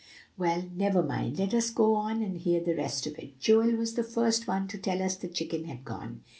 Well, never mind, let us go on and hear the rest of it. Joel was the first one to tell us the chicken had gone.